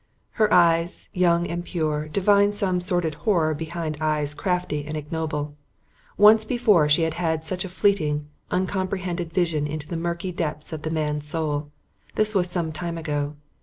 Her eyes, young and pure, divined some sordid horror behind eyes crafty and ignoble. Once before she had had such a fleeting, uncomprehended vision into the murky depths of the man's soul. This was some time ago.